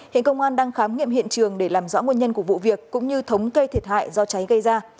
hiện công an đang khám nghiệm hiện trường để làm rõ nguồn nhân của vụ việc cũng như thống kê thiệt hại do cháy gây ra